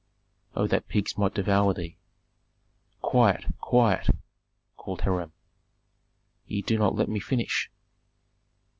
Oh that pigs might devour thee!" "Quiet! quiet!" called Hiram. "Ye do not let me finish."